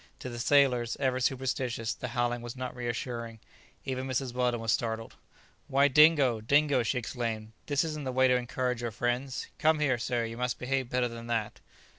To the sailors, ever superstitious, the howling was not reassuring. Even Mrs. Weldon was startled. "Why, Dingo, Dingo," she exclaimed, "this isn't the way to encourage your friends. Come here, sir; you must behave better than that!"